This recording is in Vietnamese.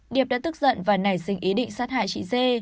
điệp đã tức giận và nảy sinh ý định sát hại chị dê